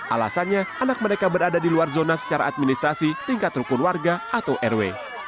alasannya anak mereka berada di luar zona secara administrasi tingkat rukun warga atau rw